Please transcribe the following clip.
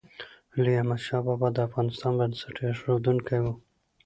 لوی احمدشاه بابا د افغانستان بنسټ ایښودونکی و.